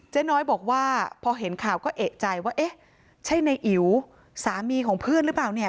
น้อยบอกว่าพอเห็นข่าวก็เอกใจว่าเอ๊ะใช่ในอิ๋วสามีของเพื่อนหรือเปล่าเนี่ย